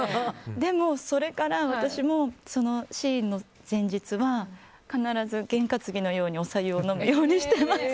でも、それから私もそのシーンの前日は必ず験担ぎのようにお白湯を飲むようにしています。